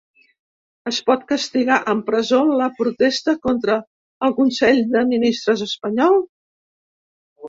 Es pot castigar amb presó la protesta contra el consell de ministres espanyol?